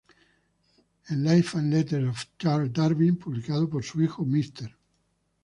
En "Life and Letters of Charles Darwin", publicado por su hijo Mr.